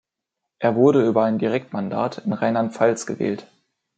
Er wurde über ein Direktmandat in Rheinland-Pfalz gewählt.